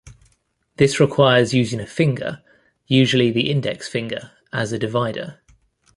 This requires using a finger, usually the index finger, as a divider.